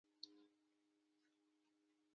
ځواب نه دی ځکه شرایط لري.